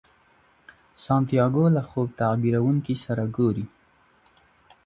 سانتیاګو له خوب تعبیرونکي سره ګوري.